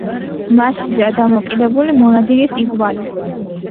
მასზეა დამოკიდებული მონადირის იღბალი.